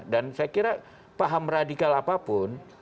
dan saya kira paham radikal apapun